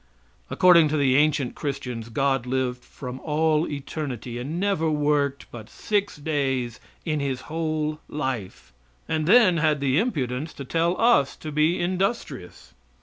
According to the ancient Christians God lived from all eternity, and never worked but six days in His whole life, and then had the impudence to tell us to be industrious.